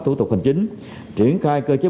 thủ tục hành chính triển khai cơ chế